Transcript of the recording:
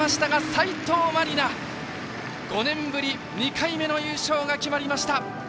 斉藤真理菜、５年ぶり２回目の優勝が決まりました！